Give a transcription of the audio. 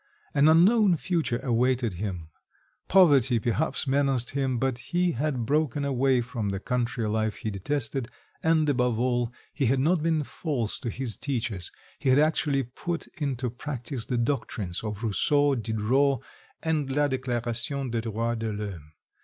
An unknown future awaited him; poverty perhaps menaced him, but he had broken away from the country life he detested, and above all, he had not been false to his teachers, he had actually put into practice the doctrines of Rousseau, Diderot, and la Déclaration des droits de l'homme.